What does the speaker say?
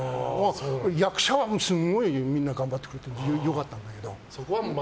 役者はすごくみんな頑張ってくれて良かったんだけど。